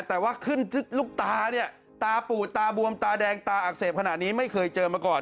แต่ว่าขึ้นลูกตาเนี่ยตาปูดตาบวมตาแดงตาอักเสบขนาดนี้ไม่เคยเจอมาก่อน